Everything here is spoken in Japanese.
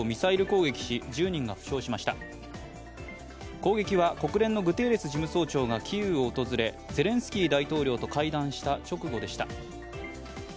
攻撃は国連のグテーレス事務総長がキーウを訪れゼレンスキー大統領と会談した直後でした。